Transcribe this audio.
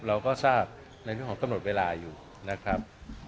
เราก็ทราบในเรื่องของกำหนดเวลาอยู่นะครับ